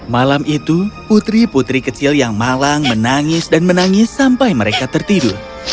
malam itu putri putri kecil yang malang menangis dan menangis sampai mereka tertidur